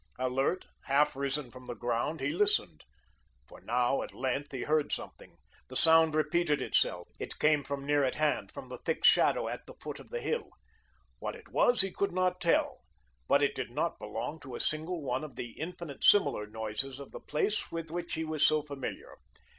Alert, half risen from the ground, he listened; for now, at length, he heard something. The sound repeated itself. It came from near at hand, from the thick shadow at the foot of the hill. What it was, he could not tell, but it did not belong to a single one of the infinite similar noises of the place with which he was so familiar.